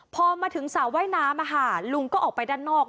พอมาถึงสระว่ายน้ำลุงก็ออกไปด้านนอก